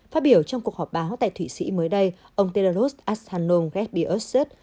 phát biểu trong cuộc họp báo tại thủy sĩ mới đây ông tedros adhanom ghebreyesus